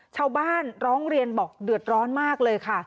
ชาวบ้านร้องเรียนบอกเดือดร้อนมากเลยค่ะ